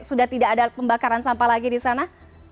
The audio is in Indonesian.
sudah tidak ada pembakaran sampah lagi di sana